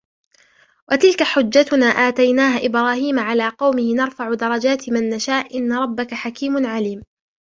وتلك حجتنا آتيناها إبراهيم على قومه نرفع درجات من نشاء إن ربك حكيم عليم